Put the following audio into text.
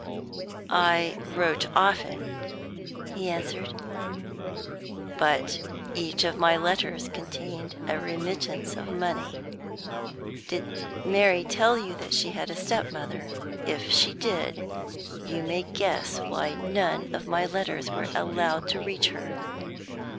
"I wrote often," he answered; "but each of my letters contained a remittance of money. Did Mary tell you she had a stepmother? If she did, you may guess why none of my letters were allowed to reach her.